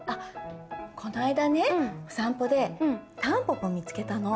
こないだねお散歩でタンポポ見つけたの。